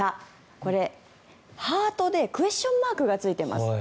これ、ハートでクエスチョンマークがついています。